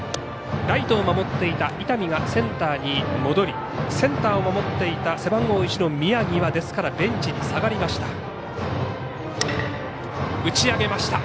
ライトを守っていた伊丹がセンターに戻りセンターを守っていた背番号１の宮城はベンチに下がりました。